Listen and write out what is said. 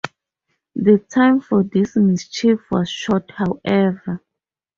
The time for this mischief was short, however.